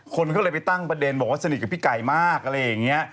คนก็เลยไปตั้งประเด็นบอกว่าสนิทกับพี่ไก่มากอะไรอย่างนี้